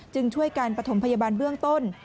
จึงช่วยกันประถมพยาบาลเบื้องต้น